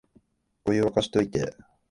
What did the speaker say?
お湯、沸かしといて